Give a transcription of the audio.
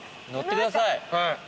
乗ってください。